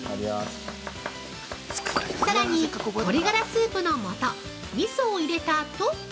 ◆さらに鶏がらスープの素みそを入れたあと。